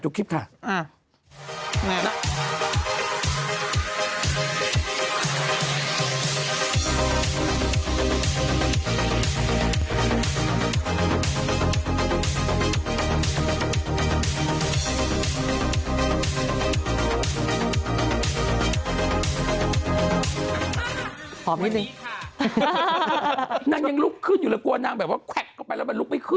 ดูการเต้นหรือครับดูคลิปหรือครับดูคลิปค่ะ